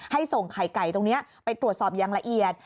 ส่งไข่ไก่ตรงนี้ไปตรวจสอบอย่างละเอียด